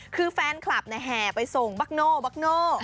คือแฟนคลับแห่ไปส่งบักโน่บักโน่